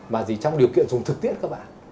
mà trong điều kiện dùng thực tiễn các bạn